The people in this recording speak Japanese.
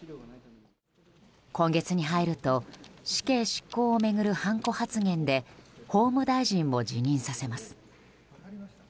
今月に入ると死刑執行を巡るはんこ発言で法務大臣も辞任させます。